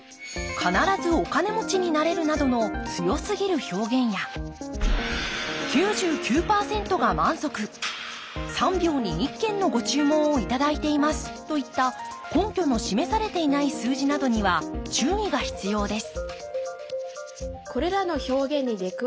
「必ずお金持ちになれる」などの強すぎる表現や「９９％が満足」「３秒に１件のご注文を頂いています」といった根拠の示されていない数字などには注意が必要です